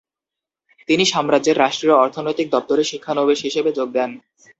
তিনি সাম্রাজ্যের রাষ্ট্রীয় অর্থনৈতিক দপ্তরে শিক্ষানবিশ হিসেবে যোগ দেন।